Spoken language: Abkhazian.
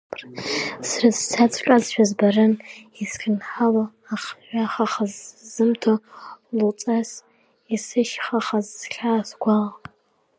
Срыцәцаҵәҟьазшәа збарын исхьынҳалоу, ахҩахаха сызымҭо, луҵас исышьхахаз схьаа, сгәала…